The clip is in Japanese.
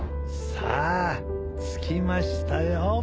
さぁ着きましたよ。